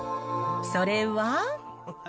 それは？